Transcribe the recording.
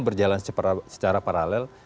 berjalan secara paralel